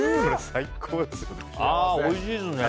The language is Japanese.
最高ですよ。